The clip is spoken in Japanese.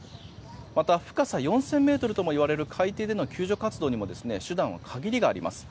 また、深さ４０００ｍともいわれる海底での救助活動にも手段に限りがあります。